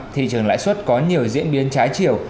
thị trường lãi suất có nhiều diễn biến trái chiều